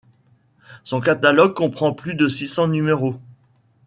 Son catalogue comprend plus de six cents numéros.